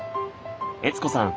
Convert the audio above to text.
悦子さん